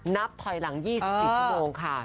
นับถอยหลัง๒๔ชั่วโมงค่ะ